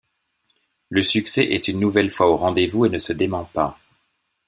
Le succès est une nouvelle fois au rendez-vous et ne se dément pas.